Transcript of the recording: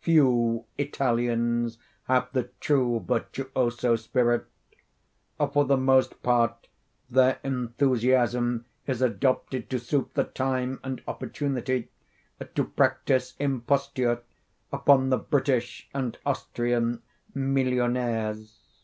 Few Italians have the true virtuoso spirit. For the most part their enthusiasm is adopted to suit the time and opportunity—to practise imposture upon the British and Austrian millionaires.